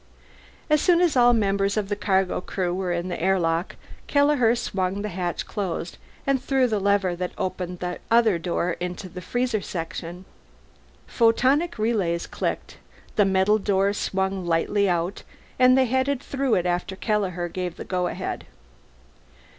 As soon as all members of the cargo crew were in the airlock, Kelleher swung the hatch closed and threw the lever that opened the other door into the freezer section. Photonic relays clicked; the metal door swung lightly out and they headed through it after Kelleher gave the go ahead.